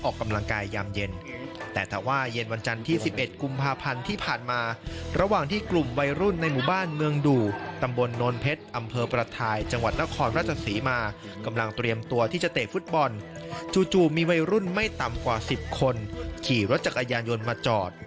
กว่า๑๐คนขี่รถจากอายานยนต์มาจอด